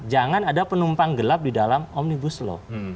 jangan ada penumpang gelap di dalam omnibus law